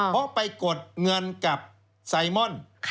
เพราะไปกดเงินกับไซมอน